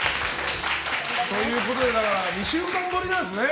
２週間ぶりなんですね。